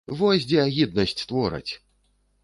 Вось дзе агіднасць твораць!